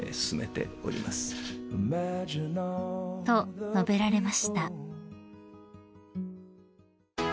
［と述べられました］